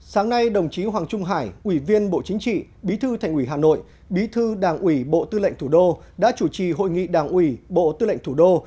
sáng nay đồng chí hoàng trung hải ủy viên bộ chính trị bí thư thành ủy hà nội bí thư đảng ủy bộ tư lệnh thủ đô đã chủ trì hội nghị đảng ủy bộ tư lệnh thủ đô